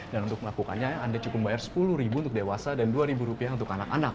dan untuk melakukannya anda cukup membayar sepuluh ribu untuk dewasa dan dua ribu rupiah untuk anak anak